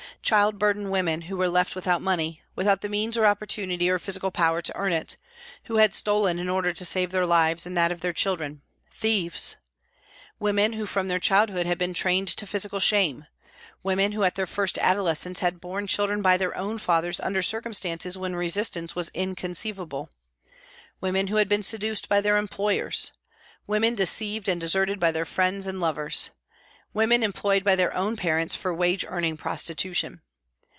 Child burdened women who were left without money, without the means or opportunity or physical power to earn it, who had stolen in order to save their lives and that of their children, thieves ! Women who from their childhood had been trained to physical shame, women who at their first adolescence had borne children by their own fathers under circum stances when resistance was inconceivable. Women who had been seduced by their employers. Women deceived and deserted by their friends and lovers. Women employed by their own parents for wage earning prostitution.